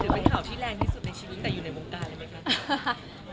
เป็นข่าวที่แรงที่สุดในชีวิตแต่อยู่ในวงการเลยไหมครับ